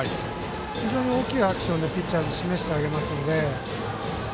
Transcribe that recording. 非常に大きいアクションでピッチャーに示してあげますので。